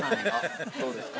◆どうですか。